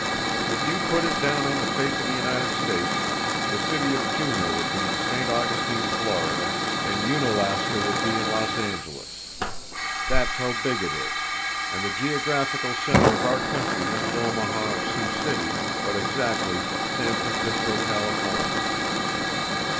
If you put it down on the face of the United States, the city of Juneau would be in St. Augustine, Florida, and Unalaska would be in Los Angeles. That's how big it is, and the geographical center of our country isn't Omaha or Sioux City, but exactly San Francisco, California."